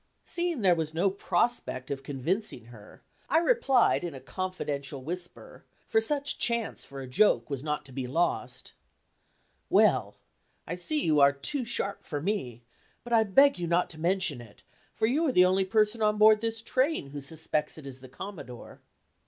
Seeing there was no prospect of convincing her, I replied in a confidential whisper, for such chance for a joke was not to be lost: "Well, I see you are too sharp for me, but I beg you not to mention it, for you are the only person on board this train who suspects it is the Commodore."